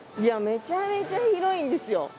めちゃめちゃ広いんですよ。